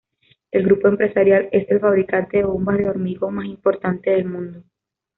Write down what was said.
El grupo empresarial es el fabricante de bombas de hormigón más importante del mundo.